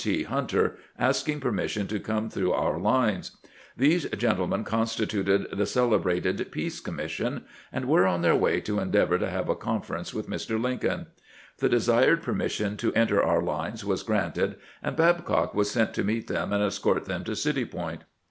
T. Hunter, asking permission to come through our lines. These gentle men constituted the celebrated "Peace Commission," and were on their way to endeavor to have a conference with Mr. Lincoln. The desired permission to enter our lines was granted, and Babcock was sent to meet them and escort them to City Point.